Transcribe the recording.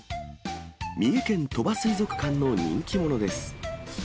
三重県鳥羽水族館の人気者です。